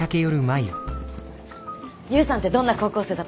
勇さんってどんな高校生だったんですか？